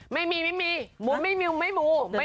ไม่มีไม่มู